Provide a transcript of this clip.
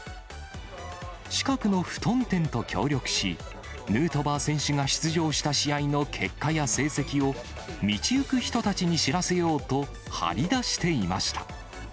近くのふとん店と協力し、ヌートバー選手が出場した試合の結果や成績を、道行く人たちに知らせようと貼り出していました。